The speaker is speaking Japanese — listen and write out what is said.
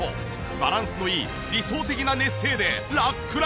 バランスのいい理想的な寝姿勢でラックラク！